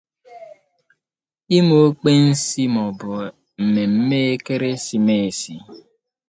ime okpensi maọbụ mmemme ekeresimeesi